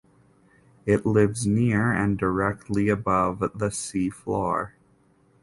It lives near and directly above the seafloor.